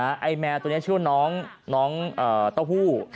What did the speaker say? ไอ้แมวตัวนี้ชื่อน้องเต้าหู้